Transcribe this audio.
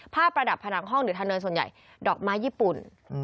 ประดับผนังห้องหรือทะเลส่วนใหญ่ดอกไม้ญี่ปุ่น